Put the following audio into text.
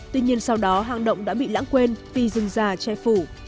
tuy nhiên sau đó hang động đã bị lãng quên vì dừng già che phủ